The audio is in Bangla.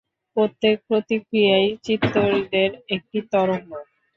প্রত্যেক প্রতিক্রিয়াই চিত্তহ্রদের একটি তরঙ্গ।